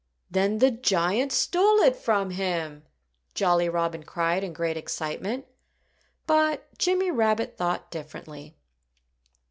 "Then the giant stole it from him!" Jolly Robin cried in great excitement. But Jimmy Rabbit thought differently.